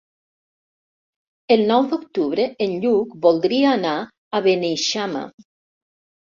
El nou d'octubre en Lluc voldria anar a Beneixama.